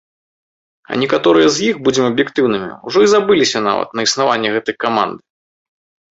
А некаторыя з іх, будзем аб'ектыўнымі, ужо і забыліся, нават, на існаванне гэтай каманды.